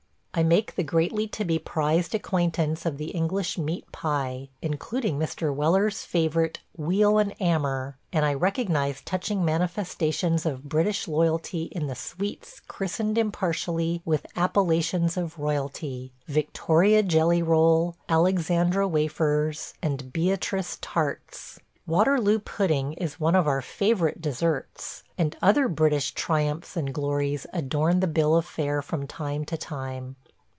I make the greatly to be prized acquaintance of the English meat pie, including Mr. Weller's favorite "weal and 'ammer," and I recognize touching manifestations of British loyalty in the sweets christened impartially with appellations of royalty: Victoria jelly roll, Alexandra wafers, and Beatrice tarts. Waterloo pudding is one of our favorite desserts, and other British triumphs and glories adorn the bill of fare from time to time.